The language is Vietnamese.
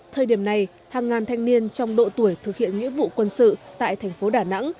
thời điểm này hàng ngàn thanh niên trong độ tuổi thực hiện nghĩa vụ quân sự tại thành phố đà nẵng